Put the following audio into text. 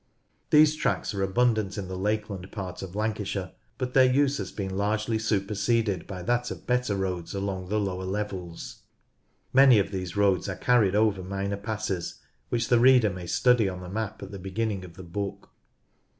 These tracks are abundant in the lakeland part of Lancashire, but their use has been largely superseded by that of better roads along the lower levels. Man}' of these roads are carried over minor passes, which the reader may study on the map at the beginning of the book.